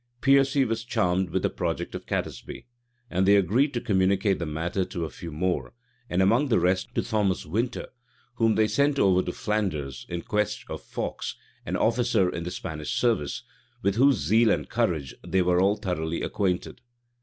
[*] Piercy was charmed with this project of Catesby; and they agreed to communicate the matter to a few more, and among the rest to Thomas Winter, whom they sent over to Flanders in quest of Fawkes, an officer in the Spanish service, with whose zeal and courage they were all thoroughly acquainted.